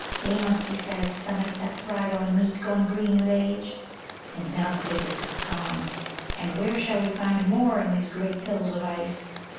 They must be sad stomachs that thrive on meat gone green with age. And now the physic is gone, and where shall we find more in these great hills of ice?